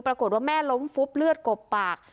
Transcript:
ปรากฏว่าแม่ล้มฟุบเลือดกบปาก